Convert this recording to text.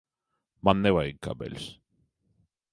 Man nevajag kabeļus.